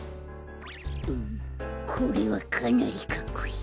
うんこれはかなりかっこいい。